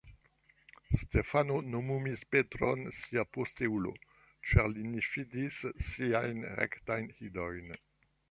Stefano nomumis Petron sia posteulo, ĉar li ne fidis siajn rektajn idojn.